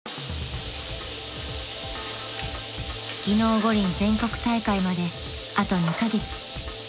［技能五輪全国大会まであと２カ月］